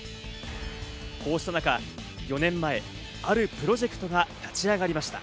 こうした中、４年前、あるプロジェクトが立ち上がりました。